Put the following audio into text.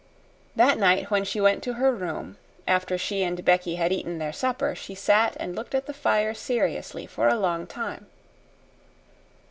That night, when she went to her room, after she and Becky had eaten their supper she sat and looked at the fire seriously for a long time.